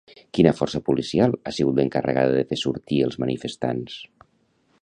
Quina força policial ha sigut l'encarregada de fer sortir els manifestants?